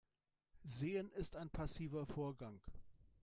Sehen ist ein passiver Vorgang.